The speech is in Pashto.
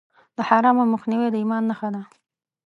د حرامو مخنیوی د ایمان نښه ده.